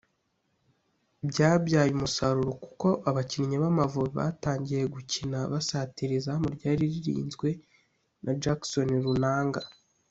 Byabyaye umusaruro kuko abakinnyi b’Amavubi batangiye gukina basatira izamu ryari ririnzwe na Jackson Lunanga